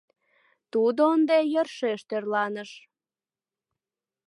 Тудо ынде йӧршеш тӧрланыш...